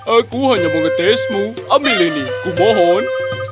aku hanya ingin mengetesmu ambil ini kupohon